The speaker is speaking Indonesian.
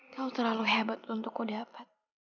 kau terlalu hebat untuk kudapat